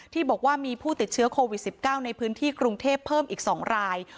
ที่บอกว่ามีผู้ติดเชื้อโควิด๑๙ในพื้นที่กรุงเทพเพิ่มอีก๒ราย